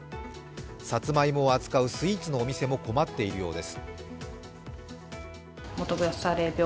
サツマイモを扱うスイーツのお店も困っているようです。